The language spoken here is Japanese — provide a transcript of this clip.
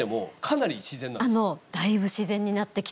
だいぶ自然になってきています。